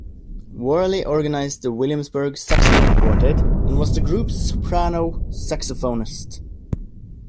Worley organized the Williamsburg Saxophone Quartet and was the group's soprano saxophonist.